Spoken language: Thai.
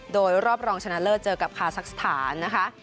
โดยรอบรองชนะเลิศเจอกับคาซักสถานนะคะ